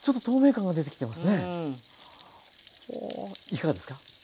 いかがですか？